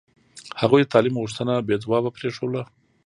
هغوی د تعلیم غوښتنه بې ځوابه پرېښوده.